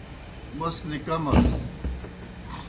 موْس لِکَمَس۔